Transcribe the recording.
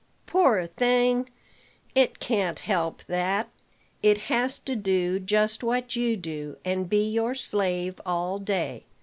"Poor thing, it can't help that: it has to do just what you do, and be your slave all day.